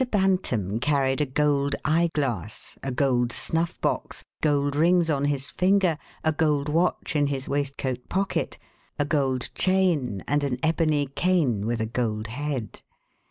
Bantam carried a gold eye glass, a gold snuff box, gold rings on his finger, a gold watch in his waistcoat pocket, a gold chain and an ebony cane with a gold head.